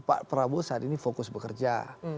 pak prabowo saat ini fokus bekerja